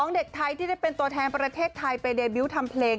เด็กไทยที่ได้เป็นตัวแทนประเทศไทยไปเดบิวต์ทำเพลง